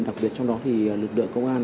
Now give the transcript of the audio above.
đặc biệt trong đó thì lực lượng công an